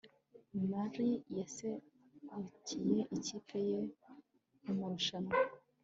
Mary yaserukiye ikipe ye mumarushanwa